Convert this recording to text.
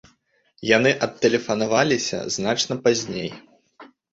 Яны адтэлефанаваліся значна пазней.